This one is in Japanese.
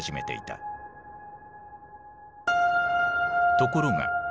ところが。